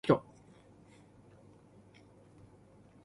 知道花果山十三太保嗎